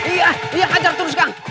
iya iya ajak terus kang